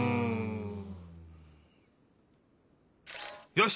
よし！